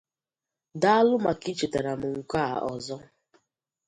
Daalụ maka ichetara m nke a ọzọ.